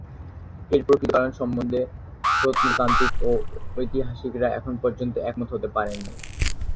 এর প্রকৃত কারণ সম্বন্ধে প্রত্নতাত্ত্বিক ও ঐতিহাসিকরা এখনও পর্যন্ত একমত হতে পারেননি।